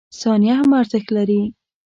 • ثانیه هم ارزښت لري.